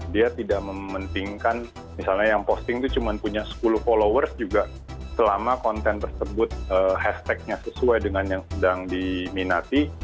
dia tidak mementingkan misalnya yang posting itu cuma punya sepuluh followers juga selama konten tersebut hashtagnya sesuai dengan yang sedang diminati